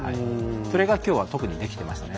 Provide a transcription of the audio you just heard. それが、きょうは特にできていましたね。